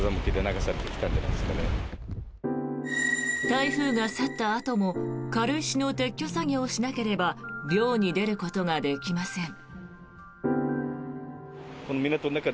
台風が去ったあとも軽石の撤去作業をしなければ漁に出ることができません。